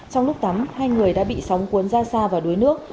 trong lúc tắm hai người đã bị sóng cuốn ra xa và đuối nước